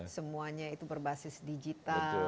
semuanya itu berbasis digital